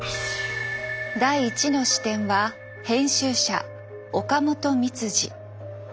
第１の視点は編集者岡本三司。